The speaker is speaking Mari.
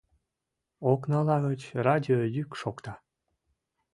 Окнала гыч радио йӱк шокта.